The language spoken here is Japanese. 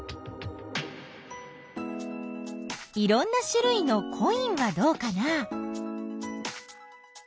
いろんなしゅるいのコインはどうかな？